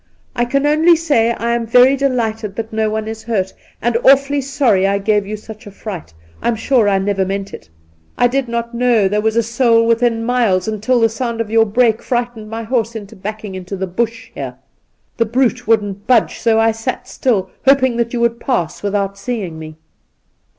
' I can only say I am very delighted that no one is hurt, and awfully sorry that I gave you such a fright. I'm sure I never meant it. I did not know there was a soul within miles until the sound of your brake frightened my horse into backing into the bush here. The brute wouldn't budge, so I sat still, hoping that you would pass without seeing me.'